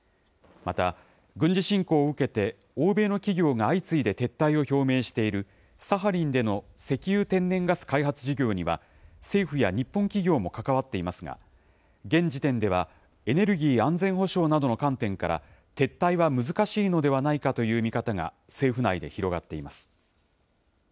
また軍事侵攻を受けて、欧米の企業が相次いで撤退を表明している、サハリンでの石油・天然ガス開発事業には、政府や日本企業も関わっていますが、現時点ではエネルギー安全保障などの観点から撤退は難しいのではないかという見方が政府内で広がっています。